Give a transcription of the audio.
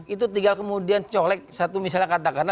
itu tinggal kemudian colek satu misalnya kata kata